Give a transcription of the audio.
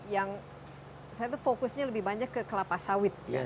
yang saya tuh fokusnya lebih banyak ke kelapa sawit